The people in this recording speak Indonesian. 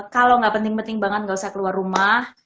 kalau enggak penting penting banget enggak usah keluar rumah